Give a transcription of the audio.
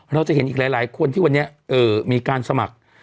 เราจะเห็นอีกหลายคนที่วันนี้มีการสมัคร